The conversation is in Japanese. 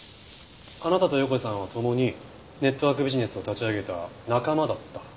あなたと横井さんは共にネットワークビジネスを立ち上げた仲間だった。